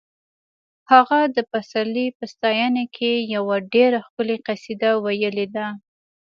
هغه د پسرلي په ستاینه کې یوه ډېره ښکلې قصیده ویلې ده